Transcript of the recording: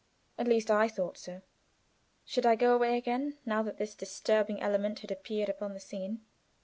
At least I thought so. Should I go away again now that this disturbing element had appeared upon the scene?